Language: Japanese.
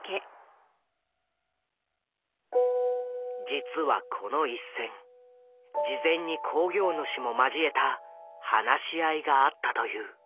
実はこの一戦事前に興行主も交えた話し合いがあったという。